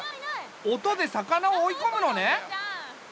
音で魚を追いこむのね。